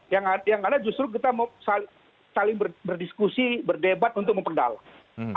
yang ada justru kita saling berdiskusi berdebat untuk memperdalam